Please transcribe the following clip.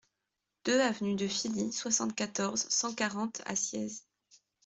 deux avenue de Filly, soixante-quatorze, cent quarante à Sciez